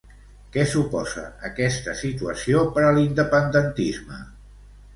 Què suposa aquesta situació per a l'independentisme?